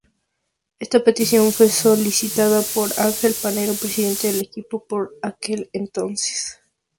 Esta petición fue solicitada por Ángel Panero, presidente del equipo por aquel entonces.